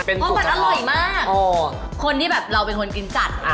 เพราะมันอร่อยมากคนที่แบบเราเป็นคนกินจัด